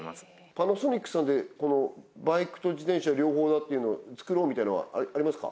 パナソニックさんでバイクと自転車両方だというのを作ろうみたいのはありますか？